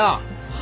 は？